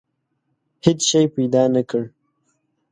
هېڅ شی پیدا نه کړ.